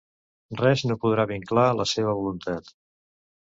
Res no podrà vinclar la seva voluntat.